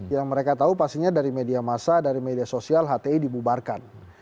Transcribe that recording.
yang mereka tahu pastinya dari media massa dari media sosial hti dibubarkan